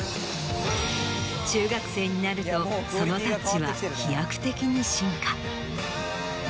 中学生になるとそのタッチは飛躍的に進化。